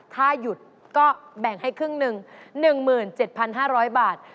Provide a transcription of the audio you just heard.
ถ้าหยุดก็แบ่งให้ครึ่งหนึ่ง๑๗๕๐๐บาท